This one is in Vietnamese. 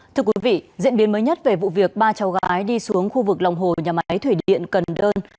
thưa quý vị diễn biến mới nhất về vụ việc ba cháu gái đi xuống khu vực lòng hồ nhà máy thủy điện cần đơn